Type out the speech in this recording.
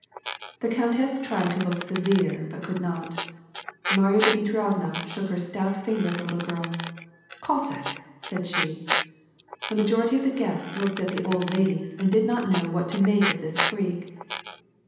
The countess tried to look severe but could not. Marya Dmitrievna shook her stout finger at the girl. " Cossack !'^ said she. The majority of the guests looked at the old ladies and did not know what to make of this freak.